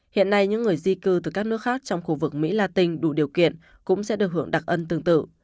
hiện nay những người di cư từ các nước khác trong khu vực mỹ la tinh đủ điều kiện cũng sẽ được hưởng đặc ân tương tự